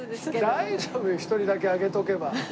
大丈夫よ１人だけ挙げておけば。